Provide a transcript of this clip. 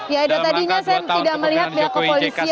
ya edo tadinya saya tidak melihat pihak kepolisian membuat barikade